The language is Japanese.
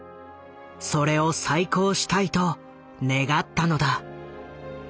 それを再興したいと願ったのだ。